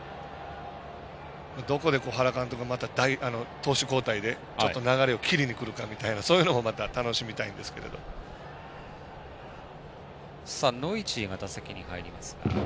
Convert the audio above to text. どこで原監督が、投手交代でちょっと流れを切りにくるかみたいなそういうのもまたノイジーが打席に入ります。